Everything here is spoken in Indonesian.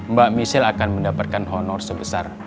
mbak michelle akan mendapatkan honor sebesar